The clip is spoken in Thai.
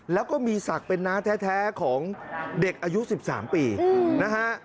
แล้วก็มีศักดิ์เป็นน้าแท้ของเด็กอายุ๑๓ปีนะฮะ